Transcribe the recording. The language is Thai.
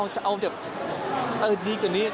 จะเอาแบบดีกว่านี้